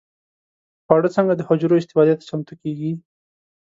خواړه څنګه د حجرو استفادې ته چمتو کېږي؟